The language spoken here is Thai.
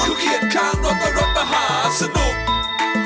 เขียนข้างรถกับรถมหาสนุก